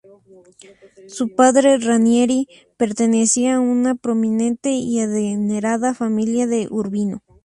Su padre, Ranieri, pertenecía a una prominente y adinerada familia de Urbino.